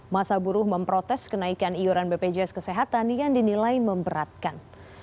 masa buruh memprotes kenaikan iuran bpjs kesehatan yang dinilai memberatkan